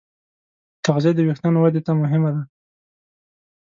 تغذیه د وېښتیانو ودې ته مهمه ده.